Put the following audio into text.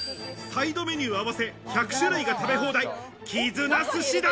サイドメニュー合わせ、１００種類が食べ放題、きづなすしだ。